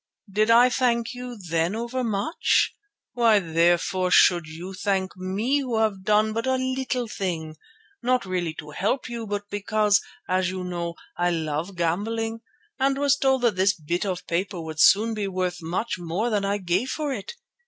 Did I thank you then overmuch? Why therefore should you thank me who have done but a little thing, not really to help you but because, as you know, I love gambling, and was told that this bit of paper would soon be worth much more than I gave for it.